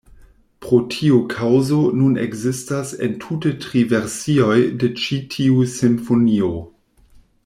Pro tiu kaŭzo nun ekzistas entute tri versioj de ĉi tiu simfonio.